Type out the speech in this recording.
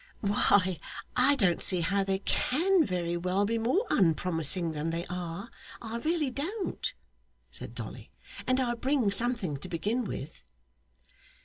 'Why, I don't see how they can very well be more unpromising than they are; I really don't,' said Dolly. 'And I bring something to begin with.